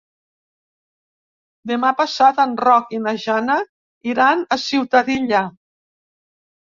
Demà passat en Roc i na Jana iran a Ciutadilla.